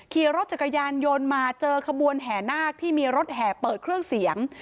ขี่รถจักรยานยนต์มาเจอขบวนแห่นาคที่มีรถแห่เปิดเครื่องเสียง